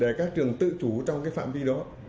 để các trường tự chủ trong cái phạm vi đó